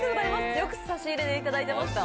よく差し入れで頂いてました。